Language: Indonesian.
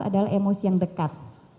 adalah emosi yang dekat